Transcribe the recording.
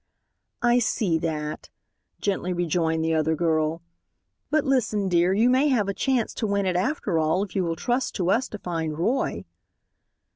"I see that," gently rejoined the other girl, "but listen, dear, you may have a chance to win it after all if you will trust to us to find Roy."